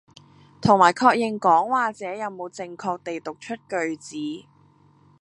同埋確認講話者有冇正確地讀出句子